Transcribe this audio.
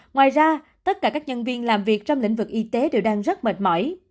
ngoài ra tất cả các nhân viên làm việc trong lĩnh vực y tế đều đang rất mệt mỏi